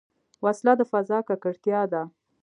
وسله د فضا ککړتیا ده